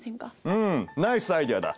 うんナイスアイデアだ！